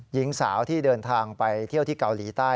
หญิงสาวที่เดินทางไปเที่ยวที่เกาหลีใต้